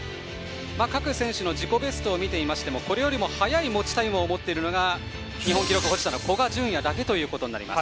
各選手の自己ベストを見ましてもこれよりも速い持ちタイムを持っているのが日本記録保持者の古賀淳也だけになります。